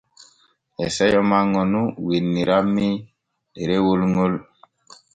E seyo manŋo nun winnirammi ɗerewol ŋol.